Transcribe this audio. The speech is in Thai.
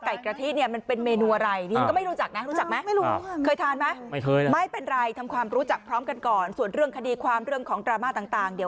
ไก่กระที่เนี่ยมันเป็นเมนูอะไร